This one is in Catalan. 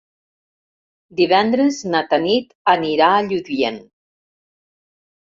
Divendres na Tanit anirà a Lludient.